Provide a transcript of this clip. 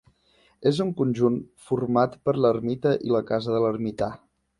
És un conjunt format per l'ermita i la casa de l'ermità.